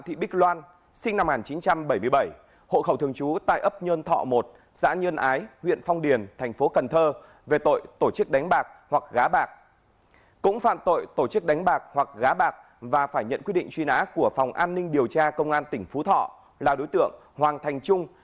cũng phạm tội tổ chức đánh bạc hoặc gá bạc và phải nhận quyết định truy nã của phòng an ninh điều tra công an tỉnh phú thọ là đối tượng hoàng thành trung